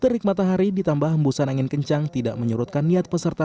terik matahari ditambah hembusan angin kencang tidak menyurutkan niat peserta